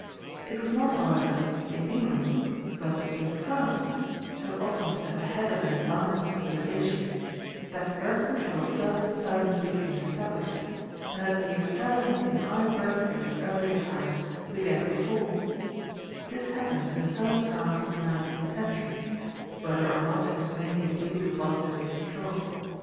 "It was not, however, in England but in France, so often at the head of an advance in civilization, that Birth Control first firmly became established, and that the extravagantly high birth rate of earlier times began to fall; this happened in the first half of the nineteenth century, whether or not it was mainly due to voluntary control.